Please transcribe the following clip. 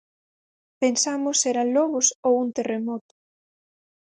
Pensamos se eran lobos ou un terremoto.